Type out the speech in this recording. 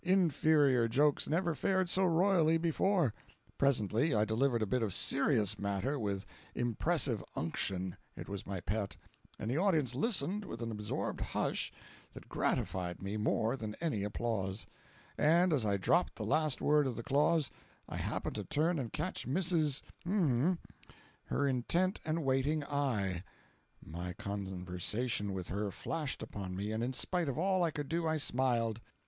Inferior jokes never fared so royally before. Presently I delivered a bit of serious matter with impressive unction (it was my pet), and the audience listened with an absorbed hush that gratified me more than any applause; and as I dropped the last word of the clause, I happened to turn and catch Mrs.—'s intent and waiting eye; my conversation with her flashed upon me, and in spite of all I could do I smiled.